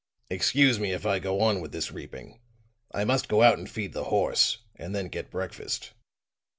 "Excuse me if I go on with this reaping. I must go out and feed the horse, and then get breakfast."